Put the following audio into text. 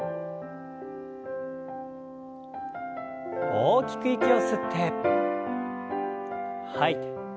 大きく息を吸って吐いて。